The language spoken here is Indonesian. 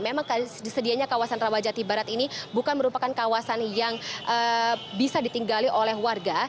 memang disedianya kawasan rawajati barat ini bukan merupakan kawasan yang bisa ditinggali oleh warga